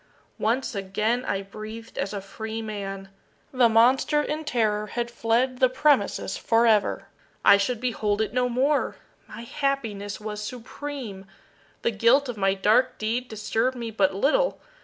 Once again I breathed as a freeman. The monster, in terror, had fled the premises forever! I should behold it no more! My happiness was supreme! The guilt of my dark deed disturbed me but little.